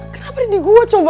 kenapa dihidung gua coba